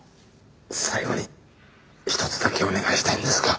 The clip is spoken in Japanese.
最後に１つだけお願いしたいんですが。